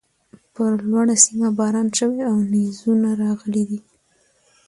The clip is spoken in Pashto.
پر لوړۀ سيمه باران شوی او نيزونه راغلي دي